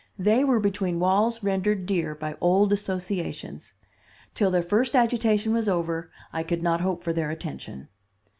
They were between walls rendered dear by old associations. Till their first agitation was over I could not hope for their attention.